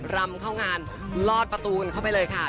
รำเข้างานลอดประตูเข้าไปเลยค่ะ